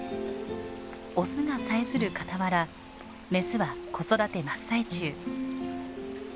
オスがさえずる傍らメスは子育て真っ最中。